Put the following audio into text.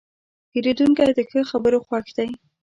پیرودونکی د ښه خبرو خوښ دی.